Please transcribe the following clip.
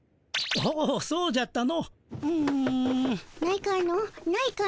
おおそうじゃったの。